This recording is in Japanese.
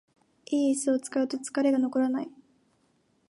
良いイスを使うと疲れが残らない